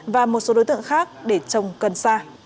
và một số đối tượng khác để trồng cần sa